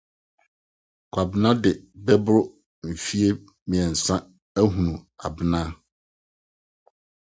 Kwabena de bɛboro mfe abiɛsa ahu Abena.